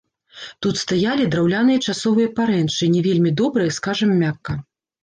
Тут стаялі драўляныя часовыя парэнчы, не вельмі добрыя, скажам мякка.